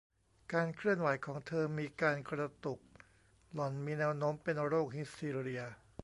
การเคลื่อนไหวของเธอมีการกระตุก หล่อนมีแนวโน้มเป็นโรคฮิสทีเรีย